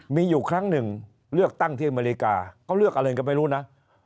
มีอยู่ครั้งหนึ่งเลือกตั้งที่อเมริกาเขาเลือกอะไรก็ไม่รู้นะ